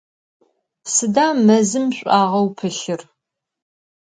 Sıda mezım ş'uağeu pılhır?